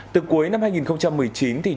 từ cuối năm hai nghìn một mươi chín thì